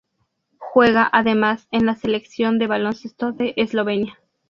Juega además en la selección de baloncesto de Eslovenia.